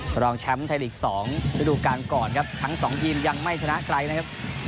รองแชมป์ไทยลีก๒ฤดูการก่อนครับทั้งสองทีมยังไม่ชนะใครนะครับ